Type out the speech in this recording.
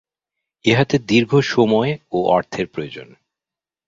ইহাতে দীর্ঘ সময় ও অর্থের প্রয়োজন।